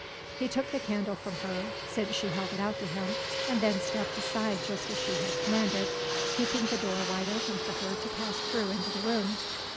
He took the candle from her, since she held it out to him, and then stepped aside just as she had commanded, keeping the door wide open for her to pass through into the room.